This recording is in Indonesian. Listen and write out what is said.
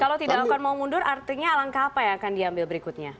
kalau tidak akan mau mundur artinya alangkah apa yang akan diambil berikutnya